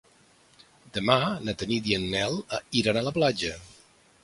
Demà na Tanit i en Nel iran a la platja.